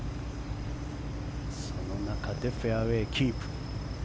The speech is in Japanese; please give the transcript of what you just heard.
その中でフェアウェーキープ。